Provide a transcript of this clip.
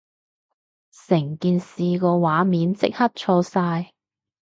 成件事個畫面即刻錯晒